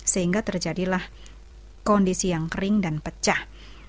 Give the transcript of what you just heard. sehingga terjadilah kondisi yang kering dan pecah